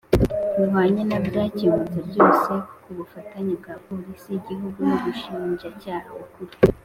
bihwanye na byakemutse byose kubufatanye bwa Polisi y Igihugu n Ubushinjacyaha Bukuru